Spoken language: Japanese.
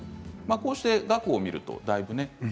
こうして額を見るとだいぶ。